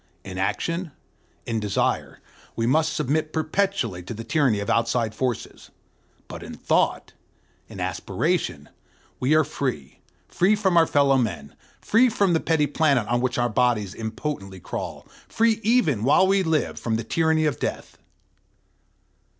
In action, in desire, we must submit perpetually to the tyranny of outside forces; but in thought, in aspiration, we are free, free from our fellowmen, free from the petty planet on which our bodies impotently crawl, free even, while we live, from the tyranny of death.